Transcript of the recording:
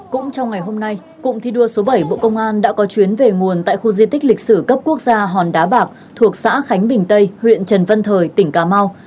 cũng trong ngày hôm nay cụm thi đua số bảy bộ công an đã có chuyến về nguồn tại khu di tích lịch sử cấp quốc gia hòn đá bạc thuộc xã khánh bình tây huyện trần văn thời tỉnh cà mau